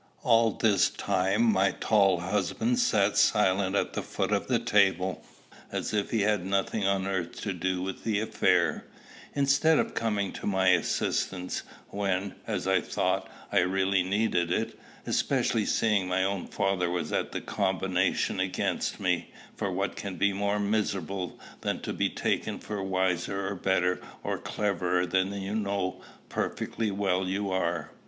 All this time my tall husband sat silent at the foot of the table, as if he had nothing on earth to do with the affair, instead of coming to my assistance, when, as I thought, I really needed it, especially seeing my own father was of the combination against me; for what can be more miserable than to be taken for wiser or better or cleverer than you know perfectly well you are.